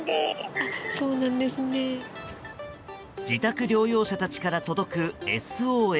自宅療養者たちから届くＳＯＳ。